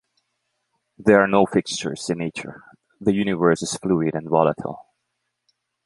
There are no fixtures in nature. The universe is fluid and volatile.